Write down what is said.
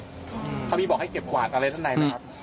ถ้ามีบอกให้เก็บกวาดอะไรท่านในไหมครับ